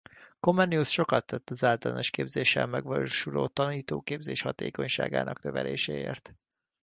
Comenius sokat tett az általános képzéssel megvalósuló tanítóképzés hatékonyságának növeléséért.